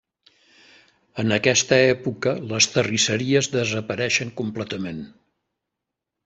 En aquesta època les terrisseries desapareixen completament.